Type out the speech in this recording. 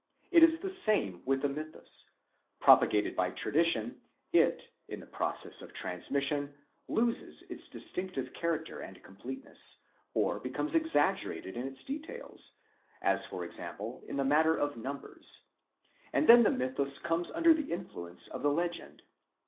It is the same with the mythus: propagated by tradition, it, in the process of transmission, loses its distinctive character and completeness, or becomes exaggerated in its details—as. for example in the matter of numbers—and then the mythus comes under the influence of the legend.